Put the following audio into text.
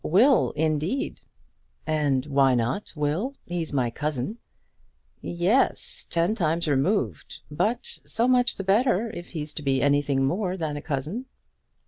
"Will, indeed!" "And why not Will? He's my cousin." "Yes; ten times removed. But so much the better if he's to be anything more than a cousin."